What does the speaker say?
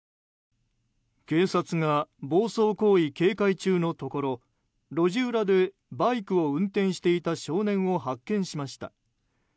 警察が暴走行為警戒中のところ路地裏でバイクを運転していた少年を発見しました。